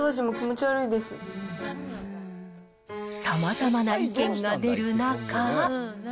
さまざまな意見が出る中。